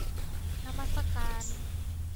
นมัสการ